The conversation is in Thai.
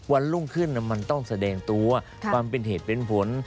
วันรุ่งขึ้นมันต้องแสดงตัวความเป็นเหตุเป็นผล